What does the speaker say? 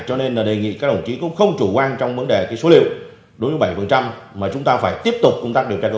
cho nên đề nghị các đồng chí có không chủ quan trong vấn đề cái số liệu đối với bảy mà chúng ta phải tiếp tục công tác điều tra cơ bản